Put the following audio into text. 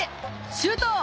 シュート！